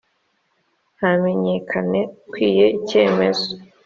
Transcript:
hamenyekane ukwiye icyemezo